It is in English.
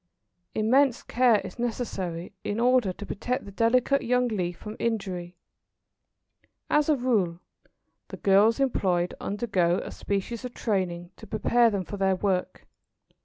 Immense care is necessary in order to protect the delicate young leaf from injury. As a rule, the girls employed undergo a species of training to prepare them for their work.